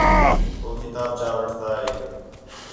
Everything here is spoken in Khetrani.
ہو کتاب چا وٹھتا ہِے